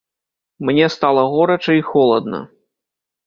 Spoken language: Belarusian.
Мне стала горача і холадна.